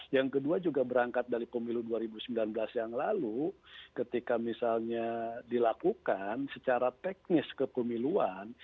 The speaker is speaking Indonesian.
yang kedua juga berangkat dari pemilu dua ribu sembilan belas yang lalu ketika misalnya dilakukan secara teknis kepemiluan